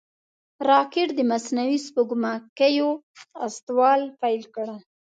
راکټ د مصنوعي سپوږمکیو استول پیل کړل